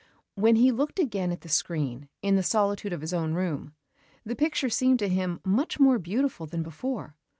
When he looked again at the screen, in the solitude of his own room, the picture seemed to him much more beautiful than before.